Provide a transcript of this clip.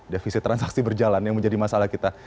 defisit transaksi berjalan yang menjadi masalah kita